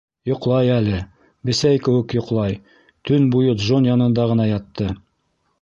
Йоҡлай әле, бесәй кеүек йоҡлай, төн буйы Джон янында ғына ятты.